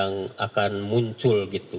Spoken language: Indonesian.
yang akan muncul gitu